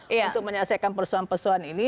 untuk menyelesaikan persoalan persoalan ini